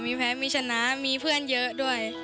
มีแพ้มีชนะมีเพื่อนเยอะด้วย